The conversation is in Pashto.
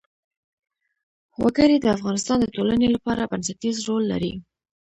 وګړي د افغانستان د ټولنې لپاره بنسټيز رول لري.